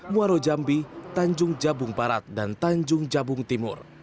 muaro jambi tanjung jabung barat dan tanjung jabung timur